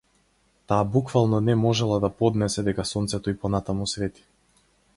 Таа буквално не можела да поднесе дека сонцето и понатаму свети.